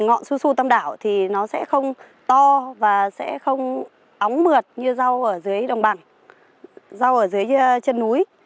ngọn su su tam đảo thì nó sẽ không to và sẽ không óng mượt như rau ở dưới đồng bằng rau ở dưới chân núi